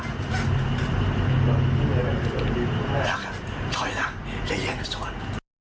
ถอยล่ะเย็นเย็นก็สวน